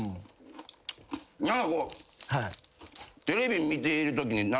何かこう。